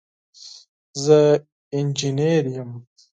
زه انجينر يم.